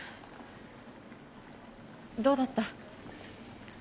どうだった？